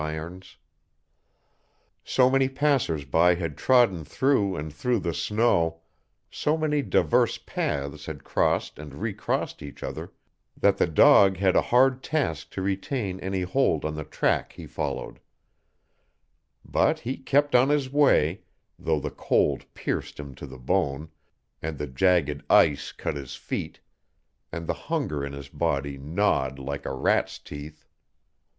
[Illustration: The portals of the cathedral were unclosed after the Midnight Mass] So many passers by had trodden through and through the snow, so many diverse paths had crossed and recrossed each other, that the dog had a hard task to retain any hold on the track he followed. But he kept on his way, though the cold pierced him to the bone, and the jagged ice cut his feet, and the hunger in his body gnawed like a rat's teeth.